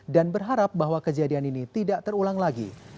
dan berharap bahwa kejadian ini tidak terulang lagi